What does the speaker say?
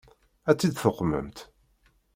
Ad tt-id-tuqmemt?